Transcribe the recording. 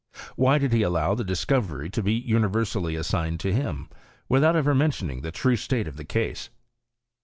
Why did he allow the discovery to be universally assigned to him, without ever mentioning the true state of the case?